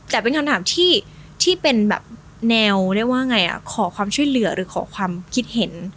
แต่เป็นคำถามที่เป็นแนวขอความช่วยเหลือหรือขอความคิดเห็น